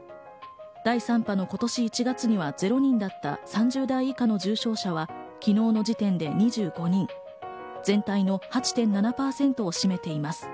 第３波の今年１月には０人だった３０代以下の重症者は昨日の時点で２５人、全体の８．７％を占めています。